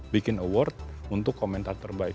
bikin award untuk komentar terbaik